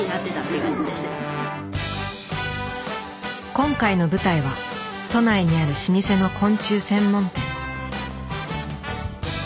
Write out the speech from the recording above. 今回の舞台は都内にある老舗の昆虫専門店。